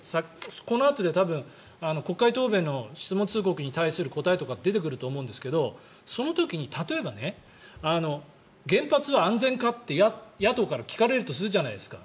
このあと国会答弁の質問通告に対する答えとか出てくると思うんですがその時に、例えば原発は安全かって、野党から聞かれるとするじゃないですか。